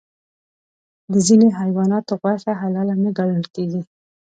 د ځینې حیواناتو غوښه حلال نه ګڼل کېږي.